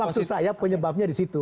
maksud saya penyebabnya disitu